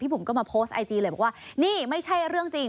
บุ๋มก็มาโพสต์ไอจีเลยบอกว่านี่ไม่ใช่เรื่องจริง